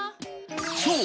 ［そう。